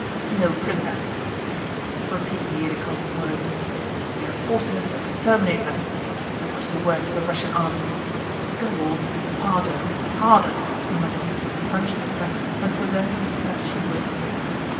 "No prisoners!" said he, repeating the aide de camp's words. "They are forcing us to exterminate them. So much the worse for the Russian army.... Go on... harder, harder!" he muttered, hunching his back and presenting his fat shoulders.